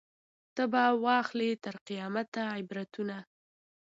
نه به واخلي تر قیامته عبرتونه